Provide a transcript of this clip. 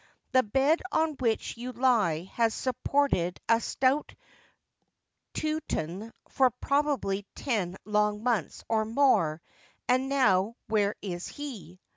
The bed on which you lie has supported a stout Teu ton for probably ten long months or more ; and now where is he